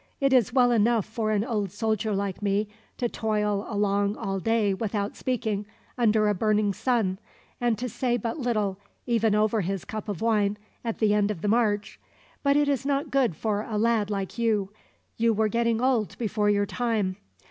It is well enough for an old soldier like me to toil along all day without speaking, under a burning sun; and to say but little, even over his cup of wine, at the end of the march. But it is not good for a lad like you. You were getting old before your time.